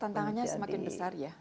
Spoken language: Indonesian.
tantangannya semakin besar ya